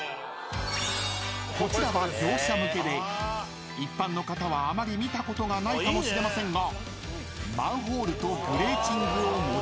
［こちらは業者向けで一般の方はあまり見たことがないかもしれませんが］